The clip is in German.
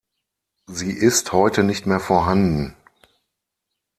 Sie ist heute nicht mehr vorhanden.